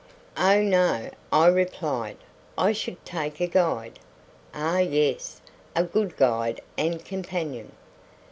"Oh, no," I replied, "I should take a guide." "Ah, yes; a good guide and companion."